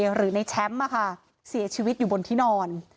หรือในแชมป์เสียชีวิตอยู่บนที่นอน